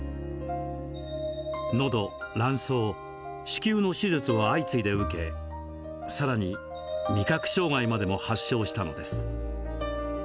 のど、卵巣、子宮の手術を相次いで受け、さらに味覚障害までも発症したのです。